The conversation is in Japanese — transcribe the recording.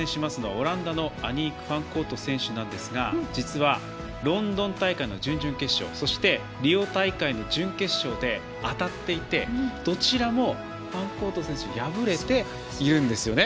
オランダのアニーク・ファンコート選手なんですが実は、ロンドン大会の準々決勝そしてリオ大会の準決勝で当たっていてどちらもファンコート選手に敗れているんですよね